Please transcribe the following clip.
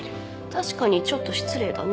確かにちょっと失礼だね。